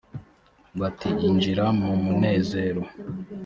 bati injira mu munezero